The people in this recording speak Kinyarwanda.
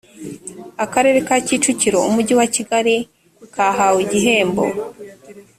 akarere ka kicukiro umujyi wa kigali kahawe igihembo